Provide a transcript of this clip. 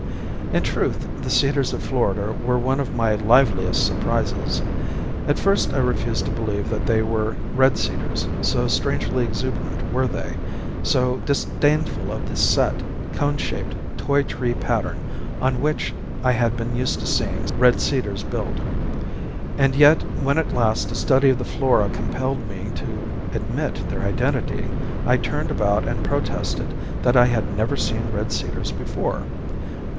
In truth, the cedars of Florida were one of my liveliest surprises. At first I refused to believe that they were red cedars, so strangely exuberant were they, so disdainful of the set, cone shaped, toy tree pattern on which I had been used to seeing red cedars built. And when at last a study of the flora compelled me to admit their identity, I turned about and protested that I had never seen red cedars before.